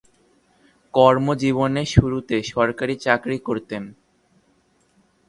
কর্ম জীবনের শুরুতে সরকারি চাকরি করতেন।